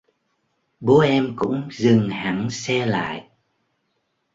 Bố em cũng dừng hẳn xe lại